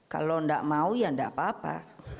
kalau gak mau ya gak apa apa